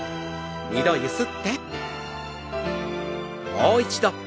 もう一度。